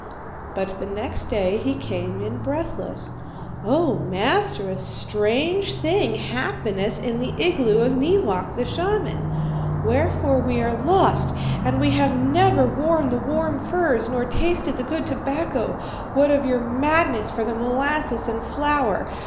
"But the next day he came in breathless. 'O master, a strange thing happeneth in the igloo of Neewak, the shaman; wherefore we are lost, and we have neither worn the warm furs nor tasted the good tobacco, what of your madness for the molasses and flour.